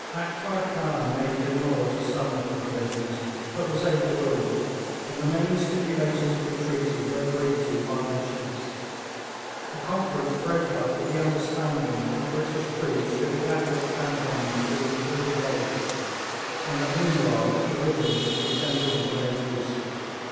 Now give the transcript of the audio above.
Akbar Khan made demur to some of the provisions, but was overruled, and the main stipulations of the treaty were agreed to by the chiefs. The conference broke up with the understanding that the British troops should evacuate cantonments within three days, and that meanwhile provisions should be sent in for their use.